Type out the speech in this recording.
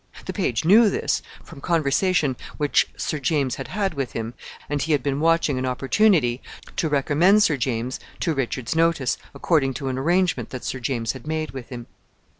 The page knew this, from conversation which Sir James had had with him, and he had been watching an opportunity to recommend Sir James to Richard's notice, according to an arrangement that Sir James had made with him.